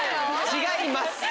違います